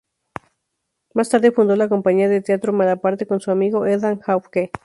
Más tarde fundó la Compañía de Teatro Malaparte con su amigo Ethan Hawke.